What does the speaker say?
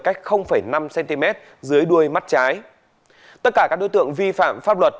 cách năm cm dưới đuôi mắt trái tất cả các đối tượng vi phạm pháp luật